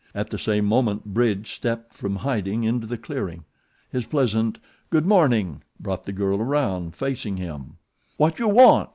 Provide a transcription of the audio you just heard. At the same moment Bridge stepped from hiding into the clearing. His pleasant 'Good morning!' brought the girl around, facing him. "What you want?"